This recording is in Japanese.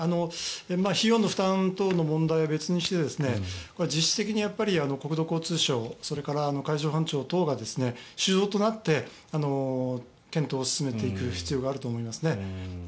費用の負担等の問題は別にして実質的に国土交通省それから海上保安庁等が主導となって検討を進めていく必要があると思いますね。